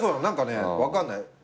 何かね分かんない。